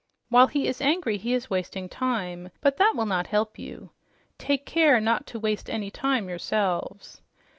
While he is angry he is wasting time, but that will not help you. Take care not to waste any time yourselves."